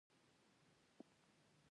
لعل د افغانستان د هیوادوالو لپاره ویاړ دی.